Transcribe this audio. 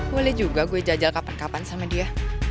boleh juga gue jajal kapan kapan sama dia